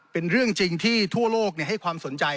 เป็นเรื่องจริงที่ทั่วโลกให้ความสนใจ